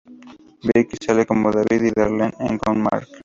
Becky sale con David y Darlene está con Mark.